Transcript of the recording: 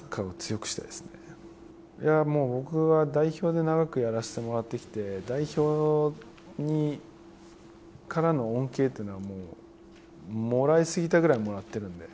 僕は代表で長くやらせてもらってきて、代表からの恩恵というのはもらいすぎたぐらいもらってるんで。